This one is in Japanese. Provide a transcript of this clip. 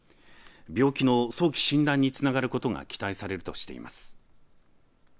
病気の早期診断につながることが期待されるとしています。